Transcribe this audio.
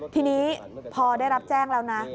ทีนี้พอได้รับแจ้งแล้วนะ